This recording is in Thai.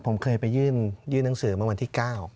ผมเคยไปยื่นหนังสือเมื่อวันที่๙